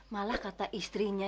malah kata istrinya